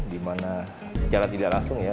dimana secara tidak langsung ya